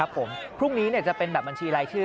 ผมพรุ่งนี้จะเป็นแบบบัญชีรายชื่อ